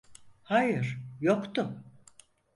Hayır, yoktu.